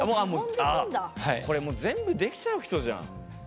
これもう全部できちゃう人じゃん。